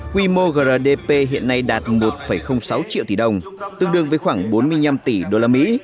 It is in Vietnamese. quy mô grdp hiện nay đạt một sáu triệu tỷ đồng tương đương với khoảng bốn mươi năm tỷ usd